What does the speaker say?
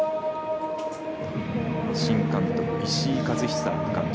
新監督、石井一久監督。